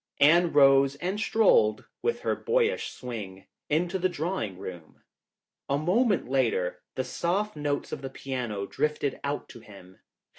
Anne rose and strolled with her boyish swing into the drawing room. A moment later, the soft notes of the piano drifted out to him.